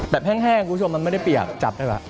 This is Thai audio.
แห้งคุณผู้ชมมันไม่ได้เปียกจับได้ว่ะ